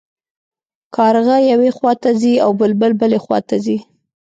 کارغه یوې خوا ته ځي او بلبل بلې خوا ته ځي.